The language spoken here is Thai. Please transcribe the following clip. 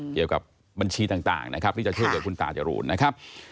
เกี่ยวกับบัญชีต่างนะครับนี่จะเทพเดี๋ยวคุณตาจะรู้นะครับ